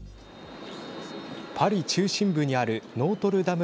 パリ中心部にあるノートルダム